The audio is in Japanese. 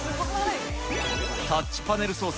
タッチパネル操作